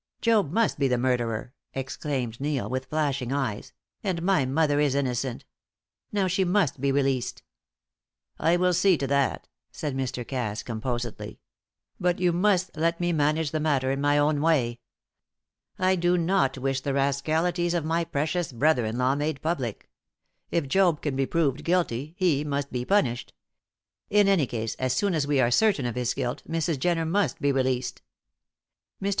"Job must be the murderer!" exclaimed Neil, with flashing eyes, "and my mother is innocent. Now she must be released." "I will see to that," said Mr. Cass, composedly. "But you must let me manage the matter in my own way. I do not wish the rascalities of my precious brother in law made public. If Job can be proved guilty, he must be punished. In any case, as soon as we are certain of his guilt, Mrs. Jenner must be released." Mr.